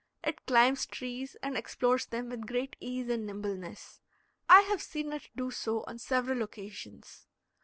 It climbs trees and explores them with great ease and nimbleness. I have seen it do so on several occasions.